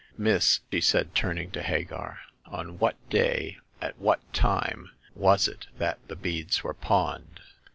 Miss," he said, turning to Hagar, on what day, at what time, was it that the beads were pawned